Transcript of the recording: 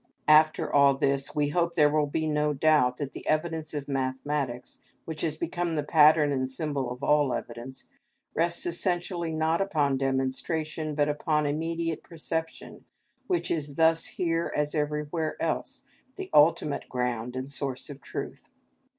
(22) After all this we hope there will be no doubt that the evidence of mathematics, which has become the pattern and symbol of all evidence, rests essentially not upon demonstration, but upon immediate perception, which is thus here, as everywhere else, the ultimate ground and source of truth.